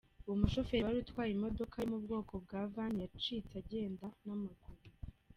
Uwo mushoferi wari utwaye imodoka yo mu bwoko bwa van yacitse agenda n'amaguru.